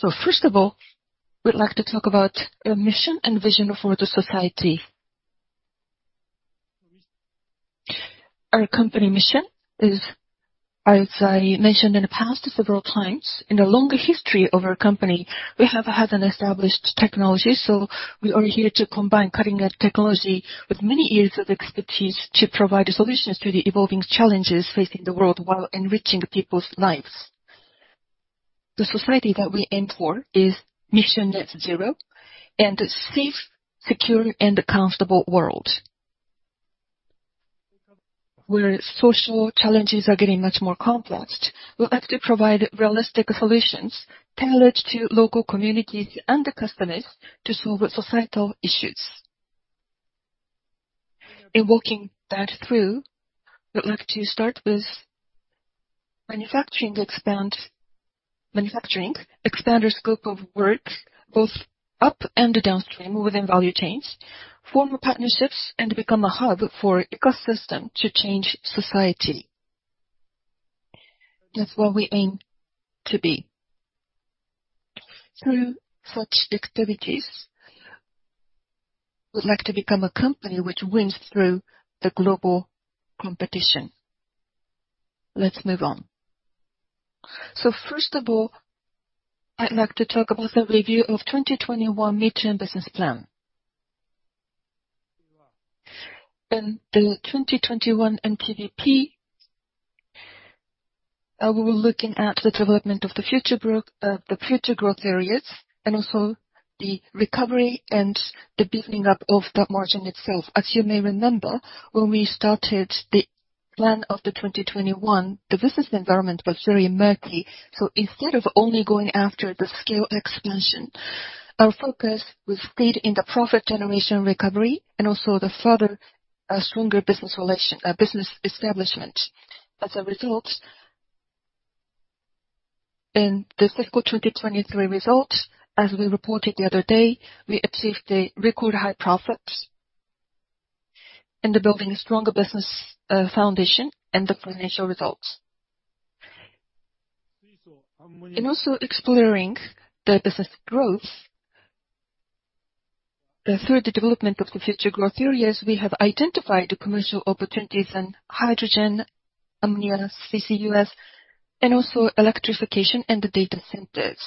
So first of all, we'd like to talk about our mission and vision for the society. Our company mission is, as I mentioned in the past several times, in the longer history of our company, we have had an established technology, so we are here to combine cutting-edge technology with many years of expertise to provide solutions to the evolving challenges facing the world, while enriching people's lives. The society that we aim for is Mission Net Zero, and a safe, secure, and comfortable world. Where social challenges are getting much more complex, we'd like to provide realistic solutions tailored to local communities and the customers to solve societal issues. In walking that through, we'd like to start with manufacturing, expand our scope of work, both up and downstream within value chains, form partnerships, and become a hub for ecosystem to change society. That's what we aim to be. Through such activities, we'd like to become a company which wins through the global competition. Let's move on. So first of all, I'd like to talk about the review of 2021 midterm business plan. In the 2021 MTBP, we were looking at the development of the future growth, the future growth areas, and also the recovery and the building up of the margin itself. As you may remember, when we started the plan of the 2021, the business environment was very murky. So instead of only going after the scale expansion, our focus was stayed in the profit generation recovery and also the further, stronger business relation, business establishment. As a result, in the fiscal 2023 results, as we reported the other day, we achieved a record high profit in the building stronger business, foundation and the financial results. Also exploring the business growth, through the development of the future growth areas, we have identified the commercial opportunities in hydrogen, ammonia, CCUS, and also electrification and the data centers.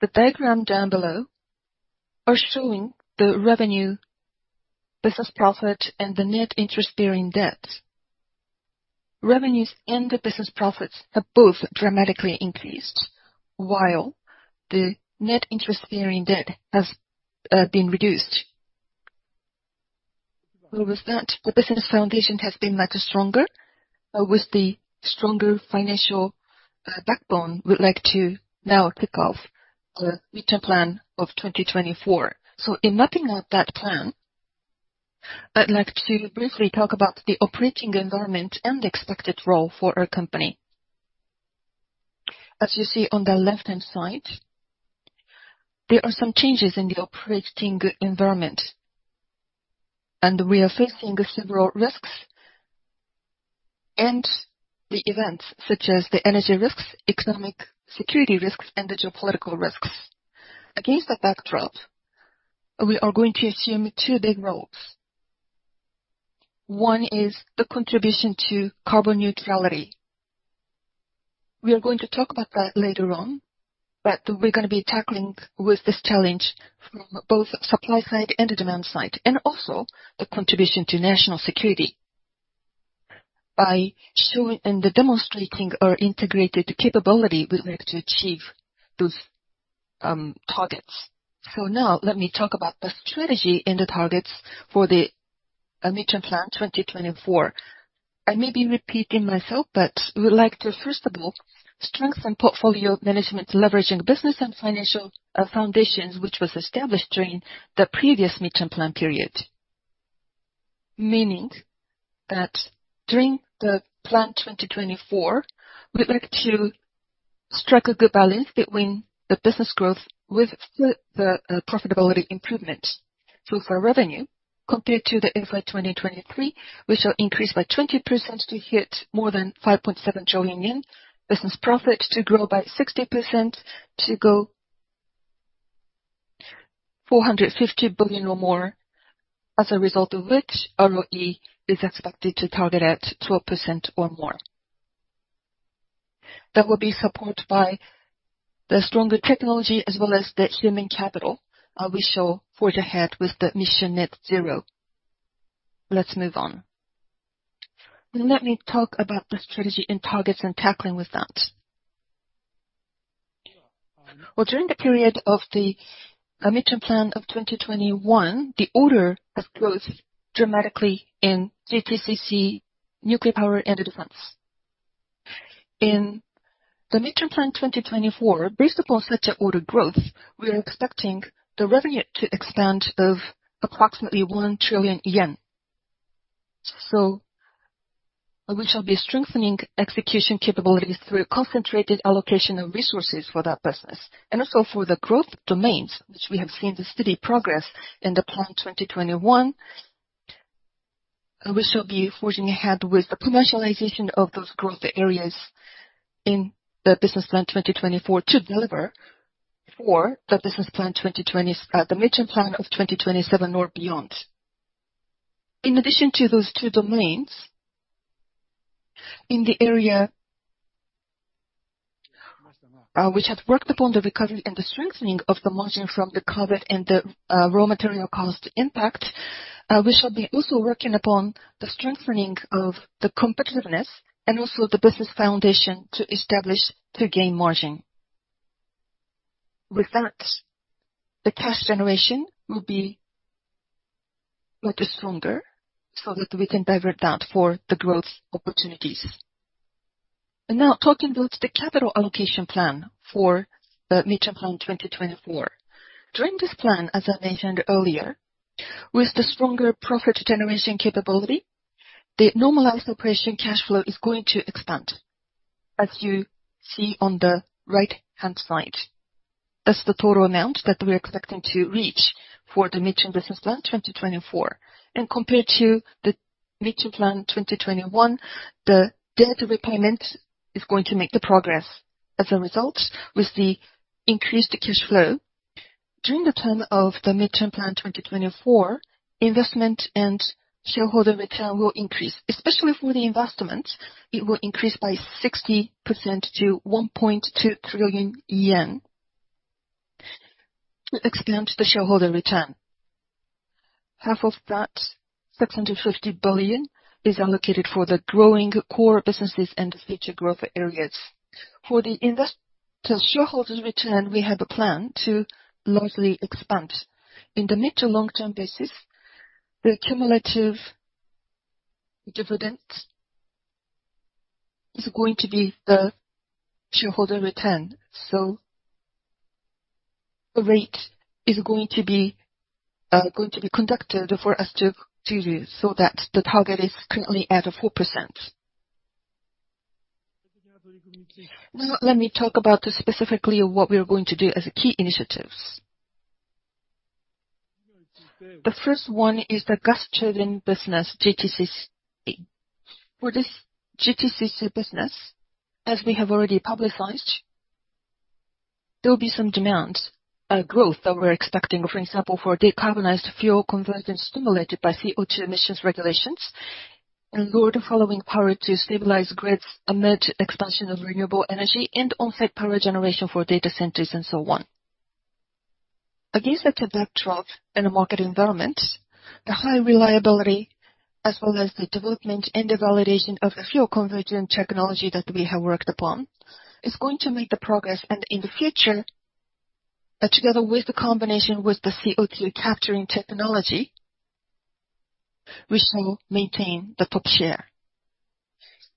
The diagram down below are showing the revenue, business profit, and the net interest-bearing debt. Revenues and the business profits have both dramatically increased, while the net interest-bearing debt has been reduced. With that, the business foundation has been much stronger. With the stronger financial, backbone, we'd like to now kick off our midterm plan of 2024. So in mapping out that plan, I'd like to briefly talk about the operating environment and the expected role for our company. As you see on the left-hand side, there are some changes in the operating environment, and we are facing several risks and the events, such as the energy risks, economic security risks, and the geopolitical risks. Against that backdrop, we are going to assume two big roles. One is the contribution to carbon neutrality. We are going to talk about that later on, but we're going to be tackling with this challenge from both supply side and the demand side, and also the contribution to national security. By showing and demonstrating our integrated capability, we'd like to achieve those targets. So now let me talk about the strategy and the targets for the midterm plan 2024. I may be repeating myself, but we would like to, first of all, strengthen portfolio management, leveraging business and financial foundations, which was established during the previous midterm plan period. Meaning that during the plan 2024, we'd like to strike a good balance between the business growth with the profitability improvement. So for revenue, compared to the FY 2023, we shall increase by 20% to hit more than 5.7 trillion yen, business profit to grow by 60% to go 450 billion or more, as a result of which, our ROE is expected to target at 12% or more. That will be supported by the stronger technology as well as the human capital, we shall forge ahead with the Mission Net Zero. Let's move on. Let me talk about the strategy and targets in tackling with that. Well, during the period of the midterm plan of 2021, the order has grown dramatically in GTCC, nuclear power, and the defense. In the midterm plan 2024, based upon such an order growth, we are expecting the revenue to expand of approximately 1 trillion yen. So we shall be strengthening execution capabilities through concentrated allocation of resources for that business. And also for the growth domains, which we have seen the steady progress in the plan 2021. We shall be forging ahead with the commercialization of those growth areas in the business plan 2024 to deliver for the business plan 2020, the midterm plan of 2027 or beyond. In addition to those two domains, in the area, we have worked upon the recovery and the strengthening of the margin from the COVID and the raw material cost impact, we shall be also working upon the strengthening of the competitiveness and also the business foundation to establish to gain margin. With that, the cash generation will be much stronger so that we can divert that for the growth opportunities. Now talking about the capital allocation plan for the midterm plan 2024. During this plan, as I mentioned earlier, with the stronger profit generation capability, the normalized operation cash flow is going to expand, as you see on the right-hand side. That's the total amount that we are expecting to reach for the midterm business plan 2024. Compared to the midterm plan 2021, the debt repayment is going to make the progress. As a result, with the increased cash flow during the term of the midterm plan 2024, investment and shareholder return will increase. Especially for the investment, it will increase by 60% to 1.2 trillion yen. To expand the shareholder return, half of that, 750 billion, is allocated for the growing core businesses and future growth areas. For the investment to shareholders return, we have a plan to largely expand. In the mid to long term basis, the cumulative dividend is going to be the shareholder return. So the rate is going to be, going to be conducted for us to, to do so that the target is currently at 4%. Now, let me talk about specifically what we are going to do as key initiatives. The first one is the gas-turbine business, GTCC. For this GTCC business, as we have already publicized, there will be some demand, growth that we're expecting. For example, for decarbonized fuel conversion stimulated by CO2 emissions regulations and lower the following power to stabilize grids amid expansion of renewable energy and on-site power generation for data centers and so on. Against the backdrop and market environment, the high reliability, as well as the development and the validation of the fuel conversion technology that we have worked upon, is going to make the progress, and in the future, together with the combination with the CO2 capturing technology, we shall maintain the top share.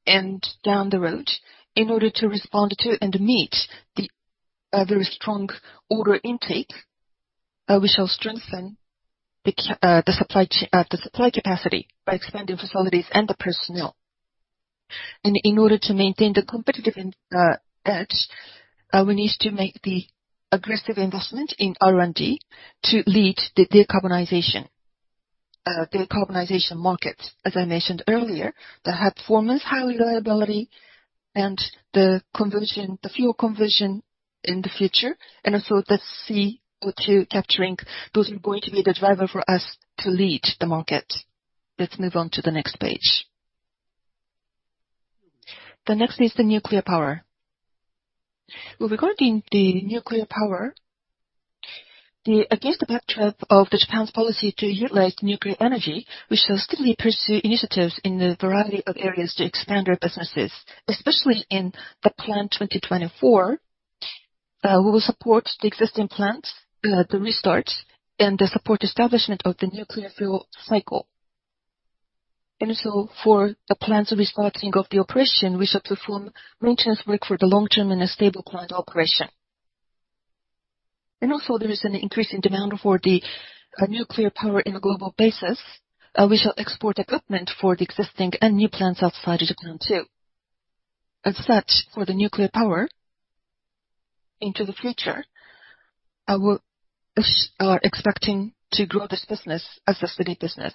And down the road, in order to respond to and meet the very strong order intake, we shall strengthen the supply capacity by expanding facilities and the personnel. And in order to maintain the competitive edge, we need to make the aggressive investment in R&D to lead the decarbonization market. As I mentioned earlier, the performance, high reliability, and the conversion, the fuel conversion in the future, and also the CO2 capturing, those are going to be the driver for us to lead the market. Let's move on to the next page. The next is the nuclear power. Regarding the nuclear power, against the backdrop of Japan's policy to utilize nuclear energy, we shall steadily pursue initiatives in a variety of areas to expand our businesses. Especially in the plan 2024, we will support the existing plants, the restart, and the support establishment of the nuclear fuel cycle. And so for the plants restarting of the operation, we shall perform maintenance work for the long-term and a stable plant operation. And also, there is an increasing demand for the nuclear power in a global basis. We shall export equipment for the existing and new plants outside of Japan, too. As such, for the nuclear power into the future, we are expecting to grow this business as a steady business.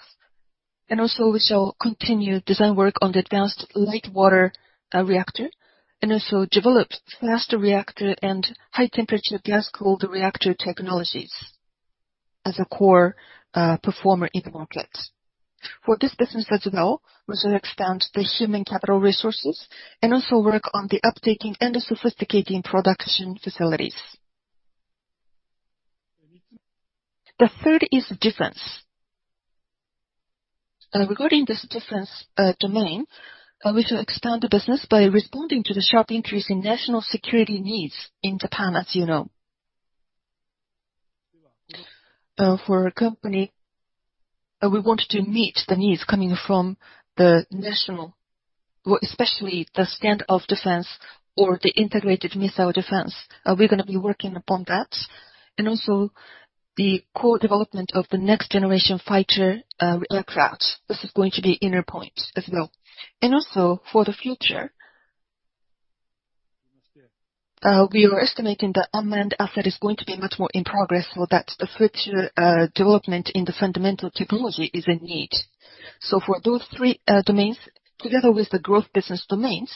Also, we shall continue design work on the advanced light water reactor, and also develop fast reactor and high-temperature gas-cooled reactor technologies as a core performer in the market. For this business as well, we shall expand the human capital resources and also work on the updating and the sophisticating production facilities. The third is defense. Regarding this defense domain, we shall expand the business by responding to the sharp increase in national security needs in Japan, as you know. For our company, we want to meet the needs coming from the national, well, especially the Stand-Off Defense or the Integrated Missile Defense. We're gonna be working upon that and also the core development of the next generation fighter aircraft. This is going to be an important point as well. We were estimating the unmanned asset is going to be much more in progress, so that the future development in the fundamental technology is in need. So for those three domains, together with the growth business domains,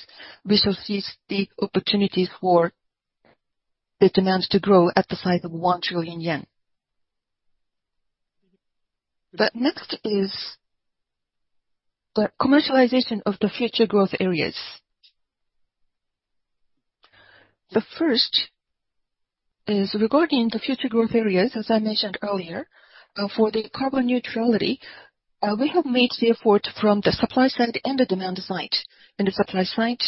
we shall seize the opportunities for the demands to grow at the size of 1 trillion yen. But next is the commercialization of the future growth areas. The first is regarding the future growth areas, as I mentioned earlier, for the carbon neutrality, we have made the effort from the supply side and the demand side. In the supply side,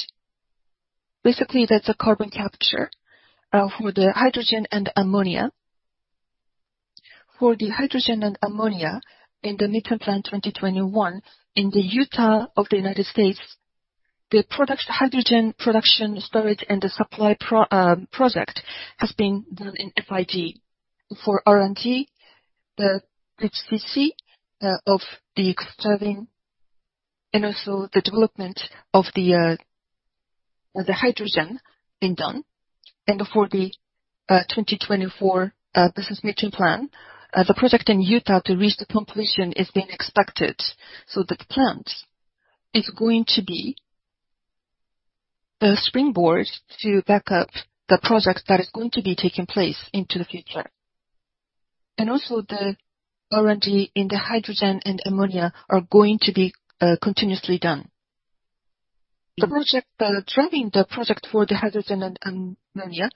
basically, that's a carbon capture for the hydrogen and ammonia. For the hydrogen and ammonia in the mid-term plan 2021, in Utah in the United States, the project, hydrogen production storage and the supply project has been done in FID. For R&D, the HCC of the driving and also the development of the hydrogen being done. For the 2024 business meeting plan, the project in Utah to reach the completion is being expected. So the plant is going to be the springboard to back up the project that is going to be taking place into the future. And also, the R&D in the hydrogen and ammonia are going to be continuously done. The project driving the project for the hydrogen and ammonia,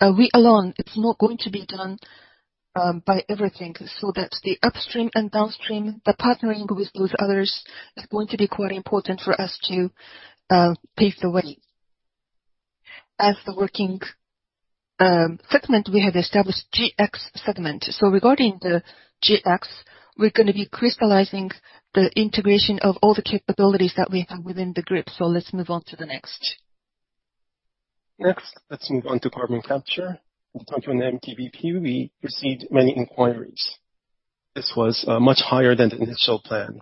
we alone, it's not going to be done by everything, so that's the upstream and downstream. The partnering with those others is going to be quite important for us to pave the way. As the working segment, we have established GX segment. So regarding the GX, we're gonna be crystallizing the integration of all the capabilities that we have within the group. So let's move on to the next. Next, let's move on to carbon capture. From an MTBP, we received many inquiries. This was much higher than the initial plan,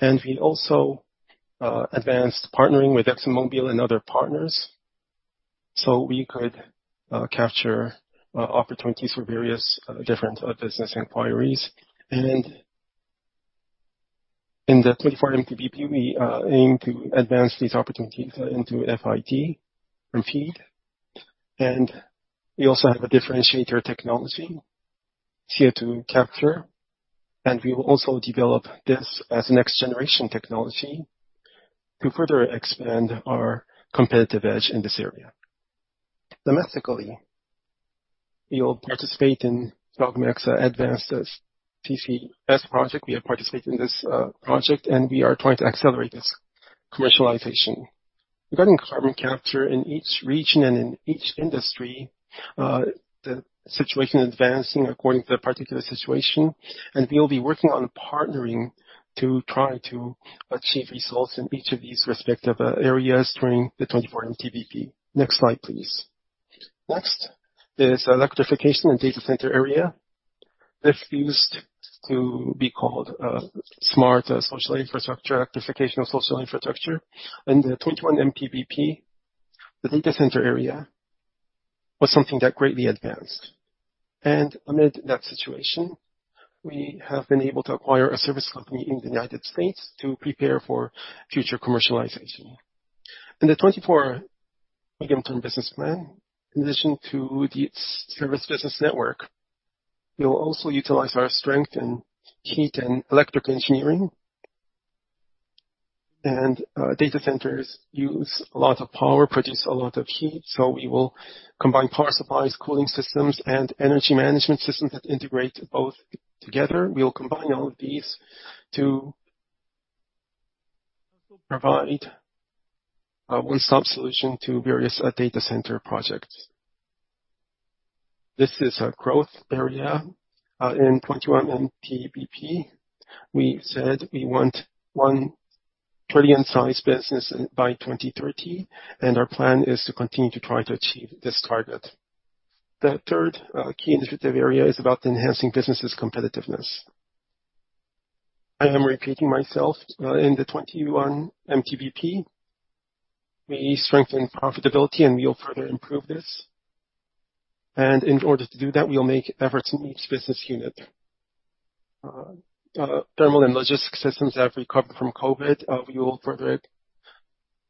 and we also advanced partnering with ExxonMobil and other partners, so we could capture opportunities for various different business inquiries. In the 2024 MTBP, we aim to advance these opportunities into FID from FEED. We also have a differentiator technology, CO2 capture, and we will also develop this as next generation technology to further expand our competitive edge in this area. Domestically, we will participate in JOGMEC Advanced CCS Project. We have participated in this project, and we are trying to accelerate this commercialization. Regarding carbon capture in each region and in each industry, the situation advancing according to the particular situation, and we will be working on partnering to try to achieve results in each of these respective, areas during the 2024 MTBP. Next slide, please. Next is electrification and data center area. This used to be called, smart, social infrastructure, electrification of social infrastructure. In the 2021 MTBP, the data center area was something that greatly advanced. And amid that situation, we have been able to acquire a service company in the United States to prepare for future commercialization. In the 24 medium-term business plan, in addition to the service business network, we will also utilize our strength in heat and electric engineering. Data centers use a lot of power, produce a lot of heat, so we will combine power supplies, cooling systems, and energy management systems that integrate both together. We will combine all of these to provide one-stop solution to various data center projects. This is a growth area. In 2021 MTBP, we said we want 1 trillion size business by 2030, and our plan is to continue to try to achieve this target. The third key initiative area is about enhancing businesses' competitiveness. I am repeating myself. In the 21 MTBP, we strengthened profitability, and we will further improve this. And in order to do that, we will make efforts in each business unit. Thermal and logistics systems have recovered from COVID. We will further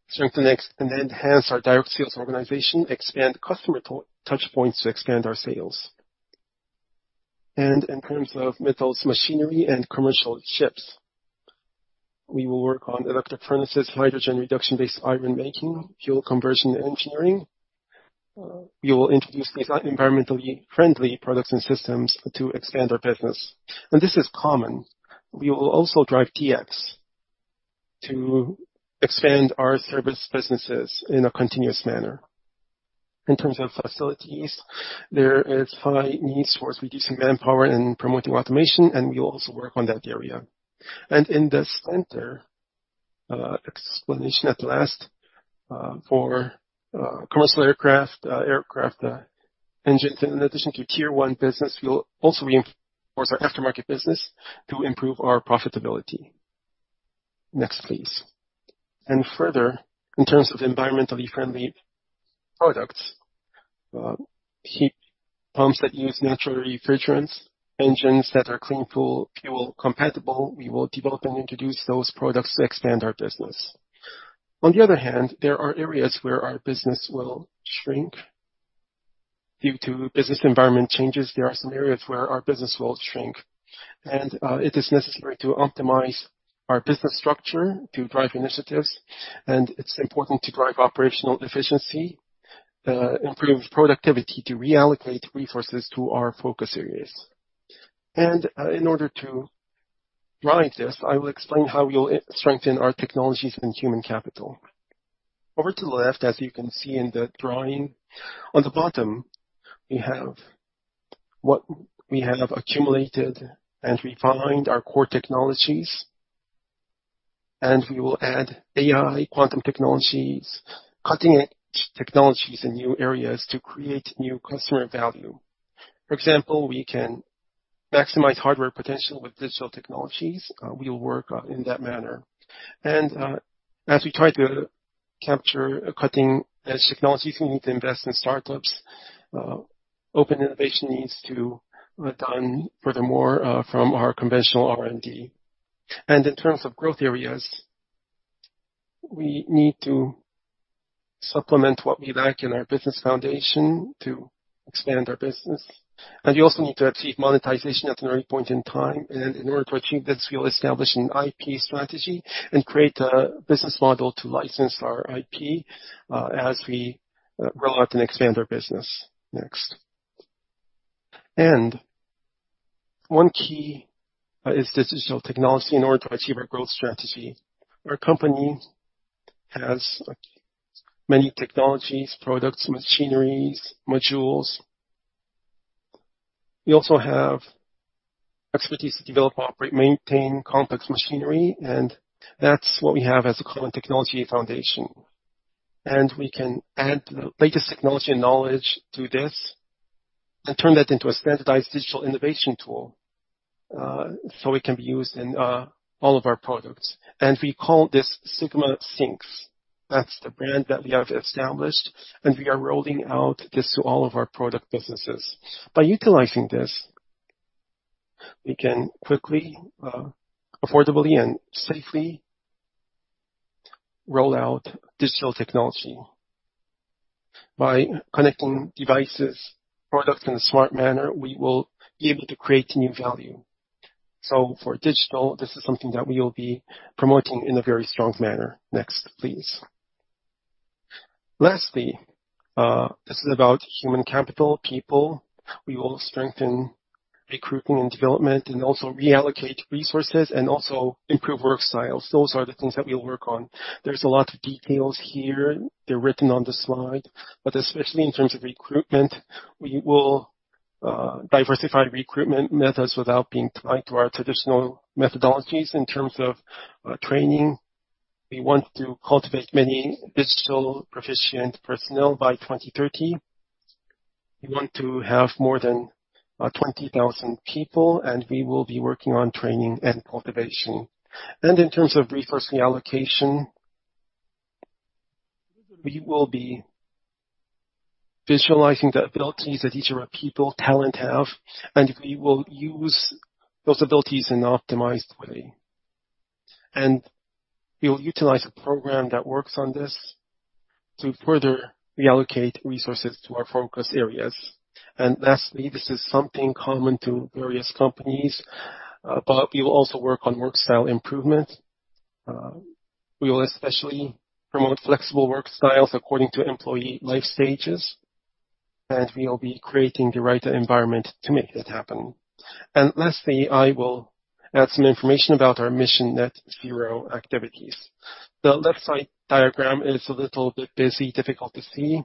strengthen and enhance our direct sales organization, expand customer touch points to expand our sales. And in terms of metals, machinery, and commercial ships, we will work on electric furnaces, hydrogen reduction-based iron making, fuel conversion, and engineering. We will introduce these environmentally friendly products and systems to expand our business. And this is common. We will also drive DX to expand our service businesses in a continuous manner. In terms of facilities, there is high needs for reducing manpower and promoting automation, and we will also work on that area. And in the center, explanation at last for commercial aircraft engines. In addition to Tier One business, we will also reinforce our aftermarket business to improve our profitability. Next, please. Further, in terms of environmentally friendly products, heat pumps that use natural refrigerants, engines that are clean fuel, fuel compatible, we will develop and introduce those products to expand our business. On the other hand, there are areas where our business will shrink. Due to business environment changes, there are some areas where our business will shrink, and it is necessary to optimize our business structure to drive initiatives, and it's important to drive operational efficiency, improve productivity to reallocate resources to our focus areas. And, in order to drive this, I will explain how we'll strengthen our technologies and human capital. Over to the left, as you can see in the drawing, on the bottom, we have what we have accumulated and refined our core technologies, and we will add AI, quantum technologies, cutting-edge technologies in new areas to create new customer value. For example, we can maximize hardware potential with digital technologies. We will work in that manner. And as we try to capture a cutting-edge technology, we need to invest in startups. Open innovation needs to be done furthermore from our conventional R&D. And in terms of growth areas, we need to supplement what we lack in our business foundation to expand our business, and we also need to achieve monetization at the right point in time. And in order to achieve this, we will establish an IP strategy and create a business model to license our IP as we roll out and expand our business. Next. And one key is digital technology in order to achieve our growth strategy. Our company has, like, many technologies, products, machineries, modules. We also have expertise to develop, operate, maintain complex machinery, and that's what we have as a common technology foundation. We can add the latest technology and knowledge to this, and turn that into a standardized digital innovation tool, so it can be used in all of our products, and we call this ΣSynX. That's the brand that we have established, and we are rolling out this to all of our product businesses. By utilizing this, we can quickly, affordably, and safely roll out digital technology. By connecting devices, products in a smart manner, we will be able to create new value. So for digital, this is something that we will be promoting in a very strong manner. Next, please. Lastly, this is about human capital, people. We will strengthen recruitment and development and also reallocate resources and also improve work styles. Those are the things that we'll work on. There's a lot of details here. They're written on the slide. But especially in terms of recruitment, we will diversify recruitment methods without being tied to our traditional methodologies in terms of training. We want to cultivate many digital proficient personnel by 2030. We want to have more than 20,000 people, and we will be working on training and cultivation. In terms of resource reallocation, we will be visualizing the abilities that each of our people, talent have, and we will use those abilities in an optimized way. We will utilize a program that works on this to further reallocate resources to our focus areas. Lastly, this is something common to various companies, but we will also work on work style improvement. We will especially promote flexible work styles according to employee life stages, and we will be creating the right environment to make that happen. Lastly, I will add some information about our Mission Net Zero activities. The left side diagram is a little bit busy and difficult to see.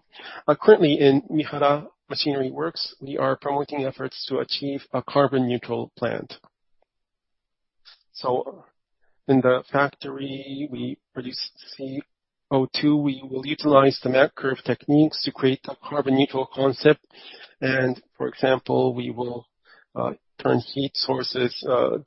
Currently in Mihara Machinery Works, we are promoting efforts to achieve a carbon neutral plant. So in the factory, we produce CO2. We will utilize the MAC Curve techniques to create a carbon neutral concept, and for example, we will turn heat sources,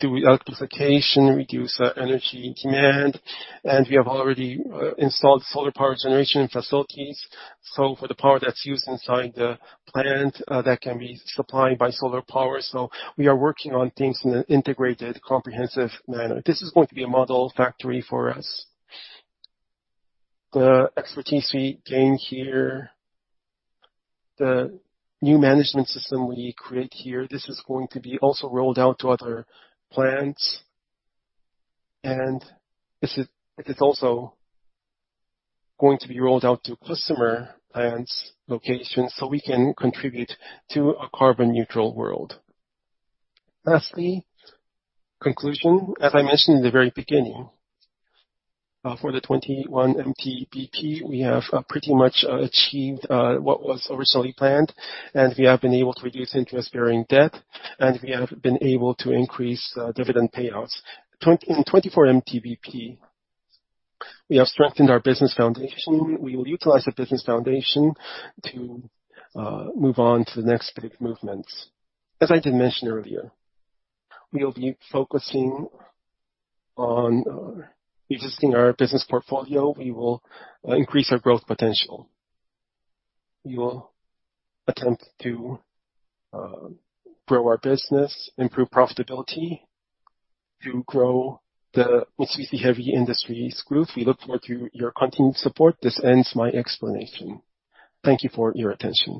do electrification, reduce energy demand, and we have already installed solar power generation facilities. So for the power that's used inside the plant, that can be supplied by solar power, so we are working on things in an integrated, comprehensive manner. This is going to be a model factory for us. The expertise we gain here, the new management system we create here, this is going to be also rolled out to other plants, and it is also going to be rolled out to customer plants locations, so we can contribute to a carbon neutral world. Lastly, conclusion. As I mentioned in the very beginning, for the 2021 MTBP, we have pretty much achieved what was originally planned, and we have been able to reduce interest-bearing debt, and we have been able to increase dividend payouts. In 2024 MTBP, we have strengthened our business foundation. We will utilize the business foundation to move on to the next big movements. As I did mention earlier, we will be focusing on exiting our business portfolio. We will increase our growth potential. We will attempt to grow our business, improve profitability, to grow the Mitsubishi Heavy Industries Group. We look forward to your continued support. This ends my explanation. Thank you for your attention.